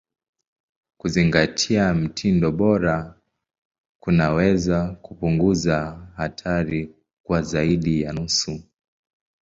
Kuzingatia mtindo bora kunaweza kupunguza hatari kwa zaidi ya nusu.